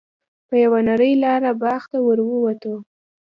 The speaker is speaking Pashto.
په یوه نرۍ لاره باغ ته ور ووتو.